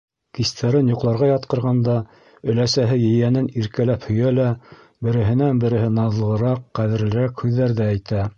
Кистәрен йоҡларға ятҡырғанда өләсәһе ейәнен иркәләп һөйә лә береһенән-береһе наҙлыраҡ, ҡәҙерлерәк һүҙҙәрҙе әйтә: